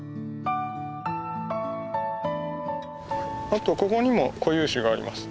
あとここにも固有種があります。